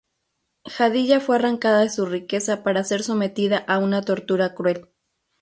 Jadiya fue arrancada de su riqueza para ser sometida a una tortura cruel.